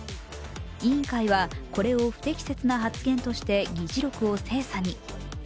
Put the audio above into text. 委員会はこれを不適切な発言として議事録を精査に。